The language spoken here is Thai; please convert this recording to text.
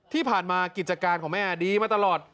ที่ผ่านมากิจการของแม่ดีมาตลอด